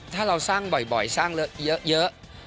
ถ้าเราสร้างบ่อยสร้างเยอะ